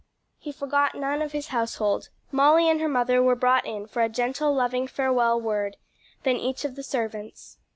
He forgot none of his household. Molly and her mother were brought in for a gentle, loving farewell word; then each of the servants.